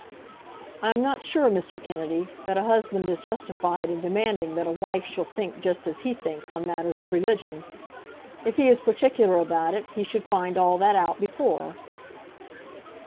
"I am not sure, Mr. Kennedy, that a husband is justified in demanding that a wife shall think just as he thinks on matters of religion. If he is particular about it, he should find all that out before."